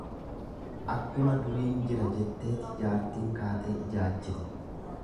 Akkuma duriin jira jetteeti jaartiin kaatee ijaajjite.